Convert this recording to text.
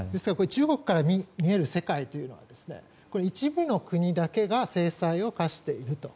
中国から見える世界というのは一部の国だけが制裁を科していると。